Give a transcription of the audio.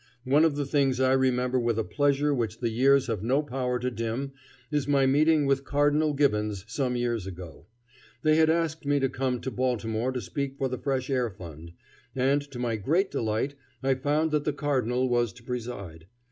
One of the things I remember with a pleasure which the years have no power to dim is my meeting with Cardinal Gibbons some years ago. They had asked me to come to Baltimore to speak for the Fresh Air Fund, and to my great delight I found that the Cardinal was to preside.